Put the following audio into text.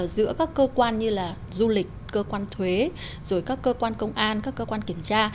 giữa các cơ quan như là du lịch cơ quan thuế rồi các cơ quan công an các cơ quan kiểm tra